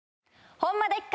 ホンマでっか